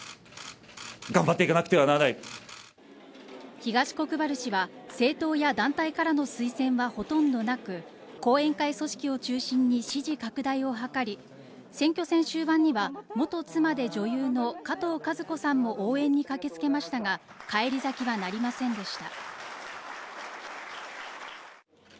東国原氏は政党や団体からの推薦はほとんどなく、後援会組織を中心に支持拡大を図り、選挙戦終盤には元妻で女優のかとうかず子さんも応援に駆けつけましたが返り咲きはなりませんでした。